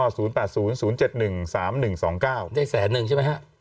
ได้แสนหนึ่งใช่มั้ยฮะ